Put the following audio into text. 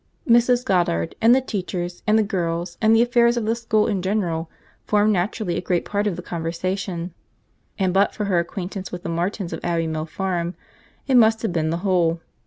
Mrs. Goddard, and the teachers, and the girls and the affairs of the school in general, formed naturally a great part of the conversation—and but for her acquaintance with the Martins of Abbey Mill Farm, it must have been the whole.